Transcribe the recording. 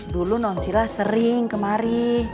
dulu nonsila sering kemari